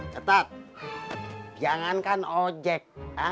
cetak jangankan ojek